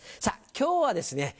今日はですね